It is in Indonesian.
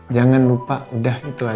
jangan lupa udah itu aja